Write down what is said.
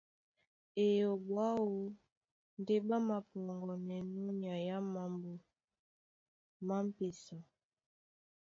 Eyoɓo aó ndé ɓá māpɔŋgɔnɛnɔ́ nyai á mambo má m̀pesa.